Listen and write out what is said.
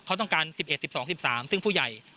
ก็ต้องการสิบเอ็ดสิบสองสิบสามซึ่งผู้ใหญ่